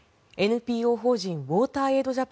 ＮＰＯ法人のウォーターエイド